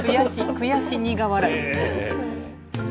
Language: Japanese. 悔し苦笑いですね。